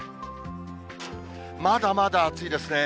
まだまだ暑いですね。